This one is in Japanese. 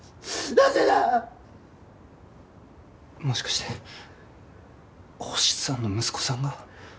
もしかして星さんの息子さんが？